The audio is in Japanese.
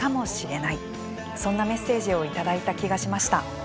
そんなメッセージをいただいた気がしました。